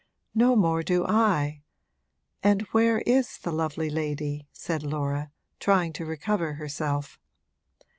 'No more do I. And where is the lovely lady?' said Laura, trying to recover herself.